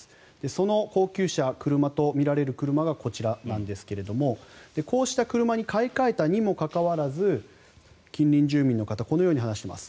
その高級車、車とみられる車がこちらなんですがこうした車に買い替えたにもかかわらず近隣住民の方はこのように話しています。